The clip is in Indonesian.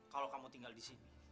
kalau kamu tinggal di sini